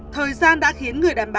thời gian đã khiến người đàn bà bị bắt